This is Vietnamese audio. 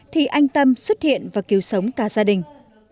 thì anh tâm xuất hiện và cứu sống cả gia đình